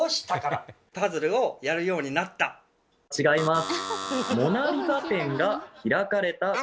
違います。